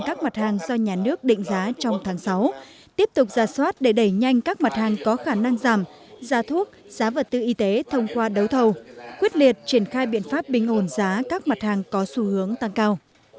các mặt hàng do nhà nước định giá trong tháng sáu tiếp tục giả soát để đẩy nhanh các mặt hàng có khả năng giảm giá thuốc giá vật tư y tế thông qua đấu thầu quyết liệt triển khai biện pháp bình ổn giá các mặt hàng có xu hướng tăng cao